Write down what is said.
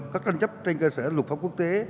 các tranh chấp trên cơ sở lục tế